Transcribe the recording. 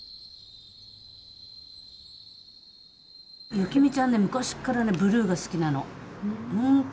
ユキミちゃんね昔からねブルーが好きなのほんとに。